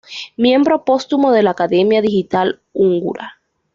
Miembro póstumo de la Academia Digital Húngara.